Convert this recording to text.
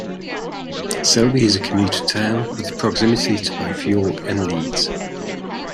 Selby is a commuter town with proximity to both York and Leeds.